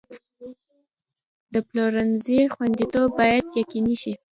د پلورنځي خوندیتوب باید یقیني شي.